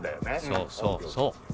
そうそうそう。